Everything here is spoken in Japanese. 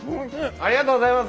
ありがとうございます！